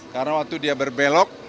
karena waktu dia berbelok